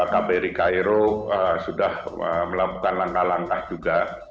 kbri cairo sudah melakukan langkah langkah juga